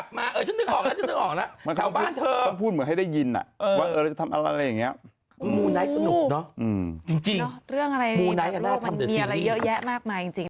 เพราะว่าเทปนี้ก็คือเทปแรก